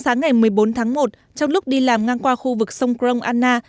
sáng ngày một mươi bốn tháng một trong lúc đi làm ngang qua khu vực sông krong anna